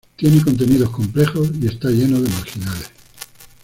Tiene contenidos complejos y está lleno de marginales.